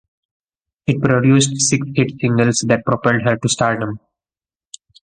It produced six hit singles that propelled her to stardom.